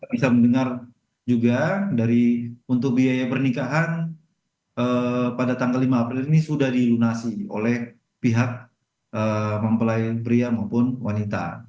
bisa mendengar juga dari untuk biaya pernikahan pada tanggal lima april ini sudah dilunasi oleh pihak mempelai pria maupun wanita